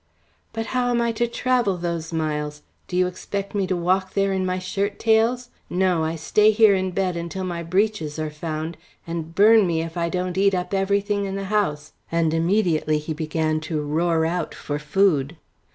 "But how am I to travel those miles; do you expect me to walk there in my shirt tails. No, I stay here in bed until my breeches are found, and, burn me, if I don't eat up everything in the house," and immediately he began to roar out for food.